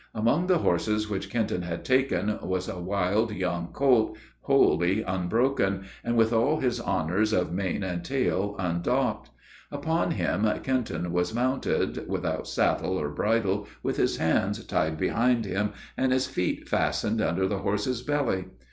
Among the horses which Kenton had taken, was a wild young colt, wholly unbroken, and with all his honors of mane and tail undocked. Upon him Kenton was mounted, without saddle or bridle, with his hands tied behind him, and his feet fastened under the horse's belly.